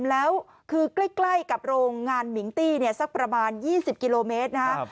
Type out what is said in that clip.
แล้วคือใกล้กับโรงงานมิงตี้เนี่ยสักประมาณ๒๐กิโลเมตรนะครับ